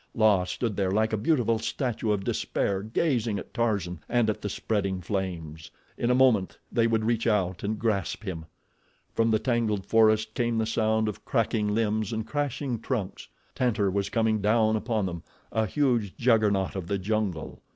La stood there like a beautiful statue of despair gazing at Tarzan and at the spreading flames. In a moment they would reach out and grasp him. From the tangled forest came the sound of cracking limbs and crashing trunks—Tantor was coming down upon them, a huge Juggernaut of the jungle.